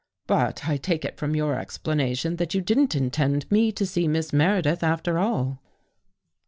But I take it from your explanation that you didn't intend me to see Miss Meredith, after all."